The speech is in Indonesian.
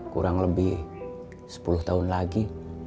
kurang lebih sepuluh tahun lagi